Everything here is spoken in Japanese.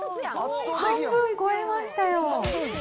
半分超えましたよ。